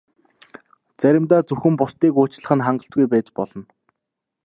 Заримдаа зөвхөн бусдыг уучлах нь хангалтгүй байж болно.